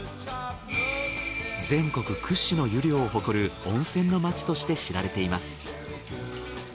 全国屈指の湯量を誇る温泉の町として知られています。